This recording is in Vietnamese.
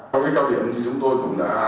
trong cái cao điểm thì chúng tôi cũng đã